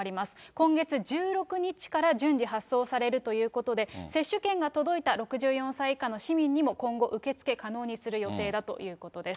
今月１６日から順次発送されるということで、接種券が届いた６４歳以下の市民にも今後、受け付け可能にする予定だということです。